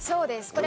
これ。